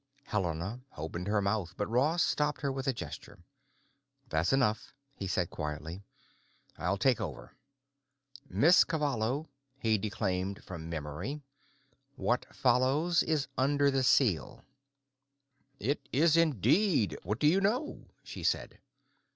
Helena opened her mouth, but Ross stopped her with a gesture. "That's enough," he said quietly. "I'll take over. Miss Cavallo," he declaimed from memory, "what follows is under the seal." "Is it indeed! What do you know," she said.